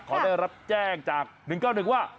เขาได้รับแจ้งจาก๑๙๑ว่า